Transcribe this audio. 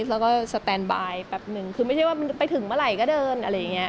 แล้วก็สแตนบายแป๊บหนึ่งคือไม่ใช่ว่ามันไปถึงเมื่อไหร่ก็เดินอะไรอย่างนี้